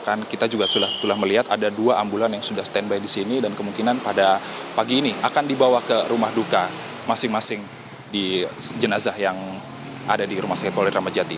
dan kita juga telah melihat ada dua ambulan yang sudah standby di sini dan kemungkinan pada pagi ini akan dibawa ke rumah duka masing masing di jenazah yang ada di rumah sakit polri kramadjati